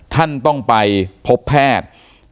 ท่านต้องไปพบแพทย์